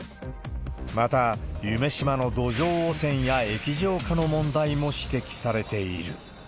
また、夢洲の土壌汚染や液状化の問題も指摘されている。